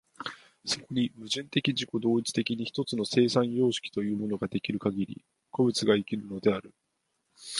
そこに矛盾的自己同一的に一つの生産様式というものが出来るかぎり、個物が生きるのである。